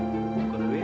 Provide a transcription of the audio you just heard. yuk buka dulu ya